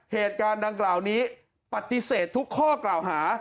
เหตุการณ์ดังกล่าวนี้ปฏิเสธทุกข้อกล่าวหา